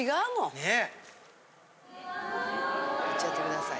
ねえ。いっちゃってください。